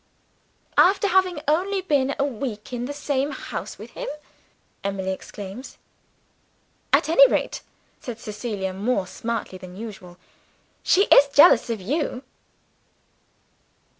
"After having only been a week in the same house with him!" Emily exclaims. "At any rate," said Cecilia, more smartly than usual, "she is jealous of you."